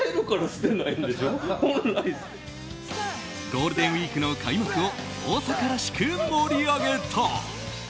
ゴールデンウィークの開幕を大阪らしく盛り上げた。